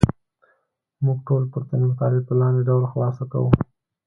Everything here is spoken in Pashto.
موږ ټول پورتني مطالب په لاندې ډول خلاصه کوو.